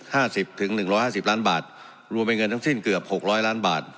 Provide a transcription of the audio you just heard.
ห้าสิบถึงหนึ่งร้อยห้าสิบล้านบาทรวมเป็นเงินทั้งสิ้นเกือบหกร้อยล้านบาท